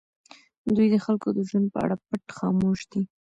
دوی د خلکو د ژوند په اړه پټ خاموش دي.